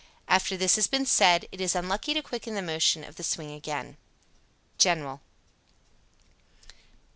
After this has been said, it is unlucky to quicken the motion of the swing again. _General.